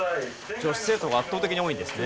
女子生徒が圧倒的に多いんですね。